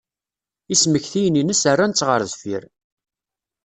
Ismektiyen-ines rran-tt ɣer deffir.